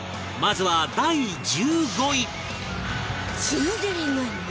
まずは第１５位